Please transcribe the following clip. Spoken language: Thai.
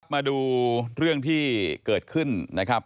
มาดูเรื่องที่เกิดขึ้นนะครับ